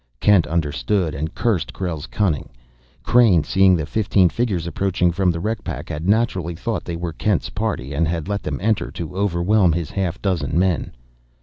Kent understood, and cursed Krell's cunning. Crain, seeing the fifteen figures approaching from the wreck pack, had naturally thought they were Kent's party, and had let them enter to overwhelm his half dozen men.